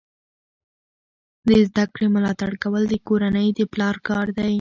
د زده کړې ملاتړ کول د کورنۍ د پلار کار دی.